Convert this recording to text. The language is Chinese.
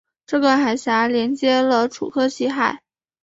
这个海峡连接了楚科奇海。